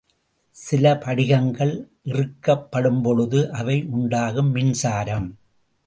சில படிகங்கள் இறுக்கப்படும்பொழுது அவை உண்டாக்கும் மின்சாரம்.